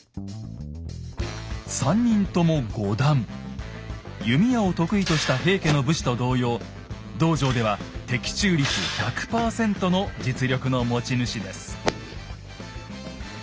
３人とも五段弓矢を得意とした平家の武士と同様道場では的中率１００％の実力の持ち主です。